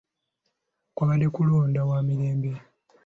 Kwabadde kolonda wa mirembe.